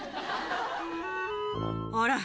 ああ。